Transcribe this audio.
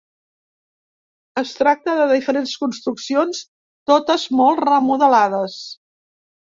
Es tracta de diferents construccions, totes molt remodelades.